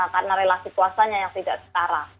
karena relasi puasanya yang tidak setara